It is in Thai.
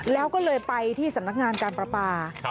แล้วก็เลยไปที่สำนักงานการประปา